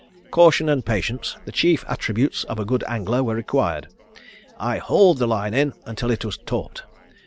Caution and patience, the chief attributes of a good angler were required. I hauled the line in until it was taut.